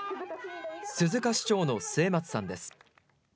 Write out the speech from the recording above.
鈴鹿市長の末松さんです。